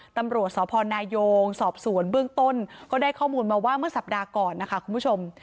ตำรวจสพนายงสอบสวนเบื้องต้นก็ได้ข้อมูลมาว่าเมื่อสัปดาห์ก่อนนะคะคุณผู้ชม